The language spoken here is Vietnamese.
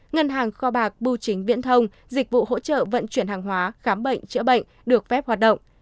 ngân hàng kho bạc bưu chính viễn thông dịch vụ hỗ trợ vận chuyển hàng hóa khám bệnh chữa bệnh được phép hoạt động